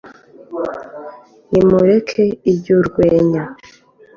Nti : mureke iby’urwenya,